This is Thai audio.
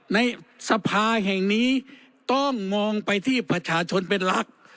ในสภาแห่งนี้ต้องมองไปที่ประชาชนเป็นหลัก